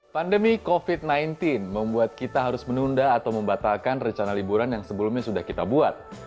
pandemi covid sembilan belas membuat kita harus menunda atau membatalkan rencana liburan yang sebelumnya sudah kita buat